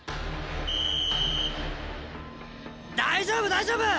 大丈夫大丈夫！